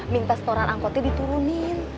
minta setoran angkotnya diturunin